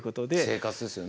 生活ですよね。